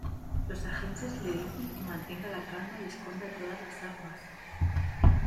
Los agentes le dicen que mantenga la calma y esconda todas las armas.